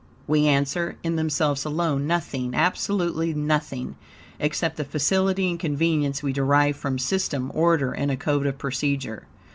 We answer, in themselves alone, nothing, absolutely nothing, except the facility and convenience we derive from system, order and a code of procedure.